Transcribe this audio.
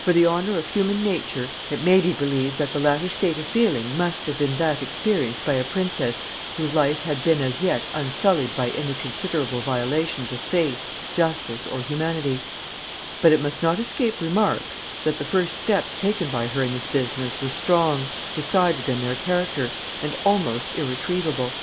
For the honor of human nature, it may be believed that the latter state of feeling must have been that experienced by a princess whose life had been as yet unsullied by any considerable violations of faith, justice, or humanity: but it must not escape remark, that the first steps taken by her in this business were strong, decided in their character, and almost irretrievable.